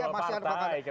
masih ada kontrol partai